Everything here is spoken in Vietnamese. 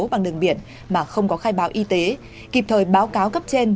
bằng đường biển mà không có khai báo y tế kịp thời báo cáo cấp trên